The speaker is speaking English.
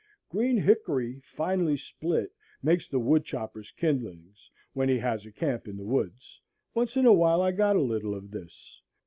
Green hickory finely split makes the woodchopper's kindlings, when he has a camp in the woods. Once in a while I got a little of this.